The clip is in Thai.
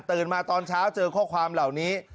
มาตอนเช้าเจอข้อความเหล่านี้